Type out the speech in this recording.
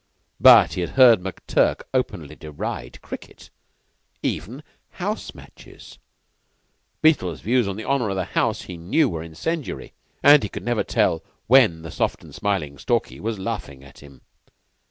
But he had heard McTurk openly deride cricket even house matches; Beetle's views on the honor of the house he knew were incendiary; and he could never tell when the soft and smiling Stalky was laughing at him.